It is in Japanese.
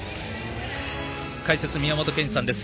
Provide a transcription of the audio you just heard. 解説、宮本賢二さんです。